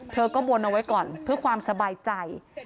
เธอก็บนเอาไว้ก่อนเพื่อความสบายใจ